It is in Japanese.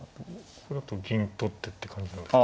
これだと銀取ってって感じなんですか。